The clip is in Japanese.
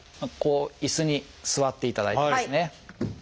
椅子に座っていただいてですね。